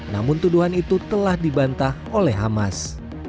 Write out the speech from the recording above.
namun tuduhan itu telah dibantah oleh hamas